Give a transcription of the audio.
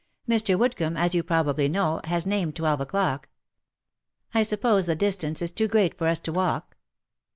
Mr. Woodcomb, as you probably know, has named twelve o'clock. I suppose the distance is too great for us to walk